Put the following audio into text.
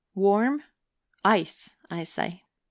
Warm? Ice, I say.